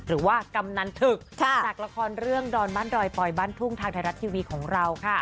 กำนันถึกจากละครเรื่องดอนบ้านดอยปอยบ้านทุ่งทางไทยรัฐทีวีของเราค่ะ